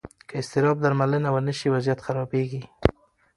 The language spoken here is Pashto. که اضطراب درملنه ونه شي، وضعیت خرابېږي.